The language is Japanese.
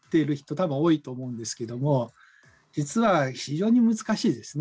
たぶん多いと思うんですけども実は非常に難しいですね。